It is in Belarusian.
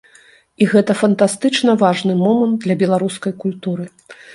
І гэта фантастычна важны момант для беларускай культуры.